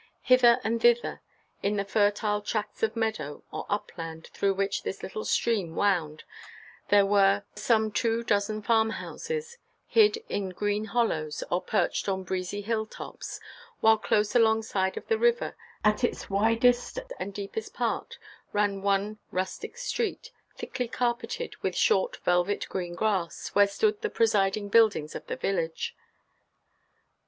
Hither and thither, in the fertile tracts of meadow or upland through which this little stream wound, were some two dozen farm houses, hid in green hollows, or perched on breezy hill tops; while close alongside of the river, at its widest and deepest part, ran one rustic street, thickly carpeted with short velvet green grass, where stood the presiding buildings of the village.